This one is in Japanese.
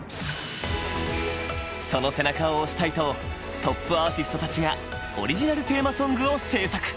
その背中を押したいとトップアーティストたちがオリジナルテーマソングを制作。